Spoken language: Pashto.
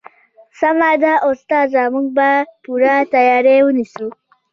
سمه ده استاده موږ به پوره تیاری ونیسو